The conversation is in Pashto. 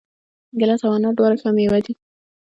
ګیلاس او انار دواړه ښه مېوې دي.